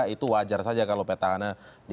itu wajar saja kalau peta anak